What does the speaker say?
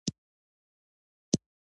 د لیلی دښته په شمال کې ده